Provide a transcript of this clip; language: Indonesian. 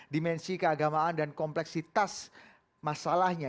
dimensi keagamaan dan kompleksitas masalahnya